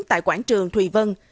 tại quảng trường thùy vân